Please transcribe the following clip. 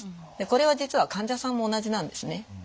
これは実は患者さんも同じなんですね。